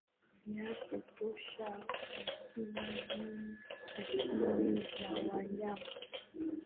vya kutosha vyakula vyenye asili ya wanyama